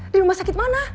di rumah sakit mana